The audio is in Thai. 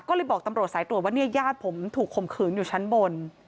ก็เลยบอกตำรวจสายตรวจว่าเนี่ยญาติผมถูกข่มขืนอยู่ชั้นบน